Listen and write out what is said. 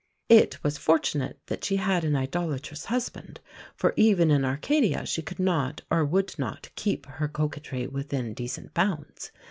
It was fortunate that she had an idolatrous husband; for even in Arcadia she could not, or would not, keep her coquetry within decent bounds.